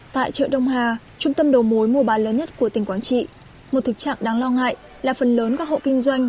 tại chợ đông hà trung tâm đầu mối mua bán lớn nhất của tỉnh quảng trị một thực trạng đáng lo ngại là phần lớn các hộ kinh doanh